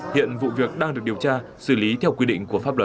hiện vụ việc đang được điều tra xử lý theo quy định của pháp luật